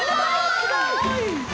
すごい。